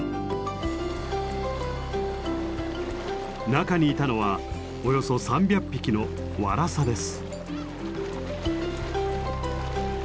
中にいたのはおよそ３００匹のワラサです。